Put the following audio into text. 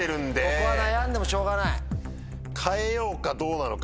ここは悩んでもしょうがない。